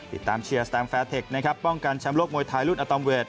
ติดตามเชียร์แสตม์แฟสเทคนะครับป้องกันชำโลกมวยถ่ายรุ่นอัตโนมเวท